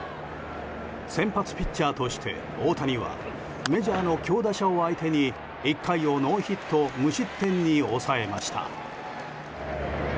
先発ピッチャーとして大谷はメジャーの強打者を相手に１回をノーヒット無失点に抑えました。